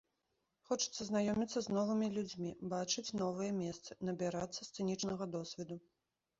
Хочацца знаёміцца з новымі людзьмі, бачыць новыя месцы, набірацца сцэнічнага досведу.